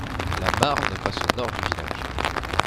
La Marne passe au nord du village.